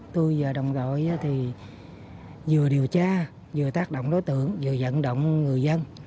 giờ đồng đội thì vừa điều tra vừa tác động đối tượng vừa dẫn động người dân